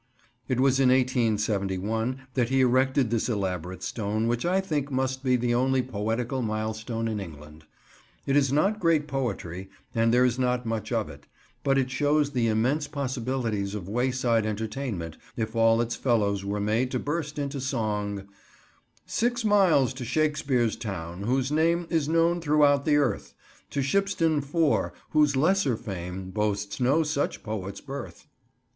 It was in 1871 that he erected this elaborate stone which I think must be the only poetical milestone in England. It is not great poetry, and there is not much of it; but it shows the immense possibilities of wayside entertainment, if all its fellows were made to burst into song— "6 miles To Shakespeare's Town, whose name Is known throughout the earth; To Shipston 4, whose lesser fame Boasts no such poet's birth."